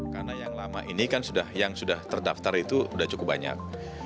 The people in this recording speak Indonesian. karena yang lama ini kan yang sudah terdaftar itu sudah cukup banyak